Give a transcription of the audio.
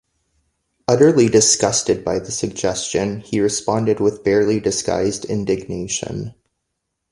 Utterly disgusted by the suggestion, he responded with barely disguised indignation.